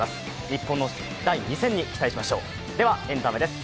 日本の第２戦に期待しましょう。